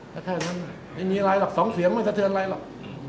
ก็แค่นั้นไม่มีอะไรหรอกสองเสียงไม่สะเทือนอะไรหรอก